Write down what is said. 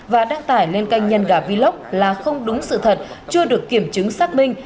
và đăng tải lên kênh nhân gà vlog là không đúng sự thật chưa được kiểm chứng xác minh